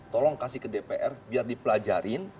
tolong kasih ke dpr biar dipelajarin